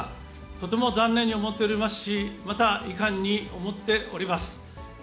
とても残念に思っておりますし、また遺憾に思っております。